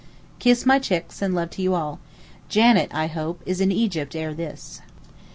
Kiss my chicks, and love to you all. Janet, I hope is in Egypt ere this.